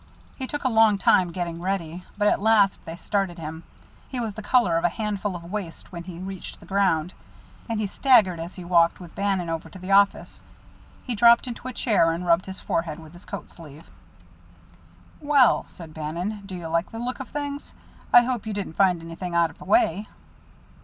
He took a long time getting ready, but at last they started him. He was the color of a handful of waste when he reached the ground, and he staggered as he walked with Bannon over to the office. He dropped into a chair and rubbed his forehead with his coat sleeve. "Well," said Bannon, "do you like the look of things? I hope you didn't find anything out of the way?"